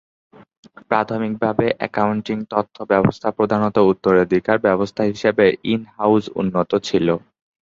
প্রাথমিকভাবে, অ্যাকাউন্টিং তথ্য ব্যবস্থা প্রধানত উত্তরাধিকার ব্যবস্থা হিসাবে "ইন-হাউস" উন্নত ছিল।